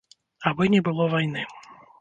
Абы не было вайны.